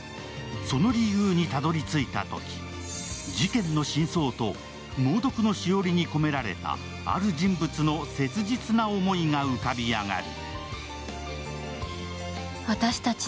その理由にたどり着いたとき事件の真相と猛毒の栞に込められた、ある人物の切実な思いが浮かび上がる。